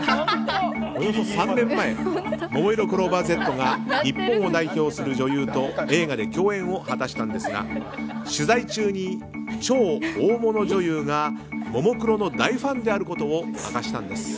およそ３年前ももいろクローバーＺが日本を代表する女優と映画で共演を果たしたんですが取材中に超大物女優がももクロの大ファンであることを明かしたんです。